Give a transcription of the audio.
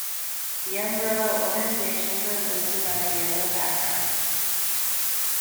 The umbrella organizations are listed on a yellow background.